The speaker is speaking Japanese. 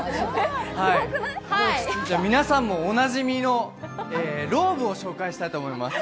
皆さんもおなじみのローブを紹介したいと思います。